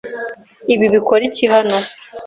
Ibi bikora iki hano?